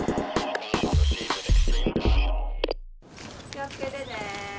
気をつけてね。